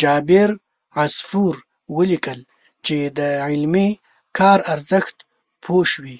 جابر عصفور ولیکل چې د علمي کار ارزښت پوه شوي.